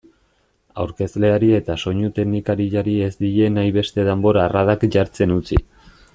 Aurkezleari eta soinu-teknikariari ez die nahi beste danbor-arradak jartzen utzi.